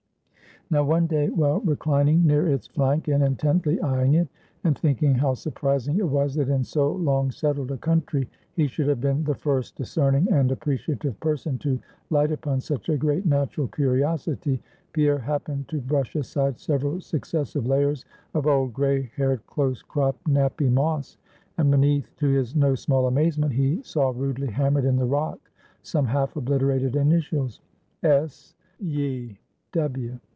Now one day while reclining near its flank, and intently eying it, and thinking how surprising it was, that in so long settled a country he should have been the first discerning and appreciative person to light upon such a great natural curiosity, Pierre happened to brush aside several successive layers of old, gray haired, close cropped, nappy moss, and beneath, to his no small amazement, he saw rudely hammered in the rock some half obliterate initials "S. ye W."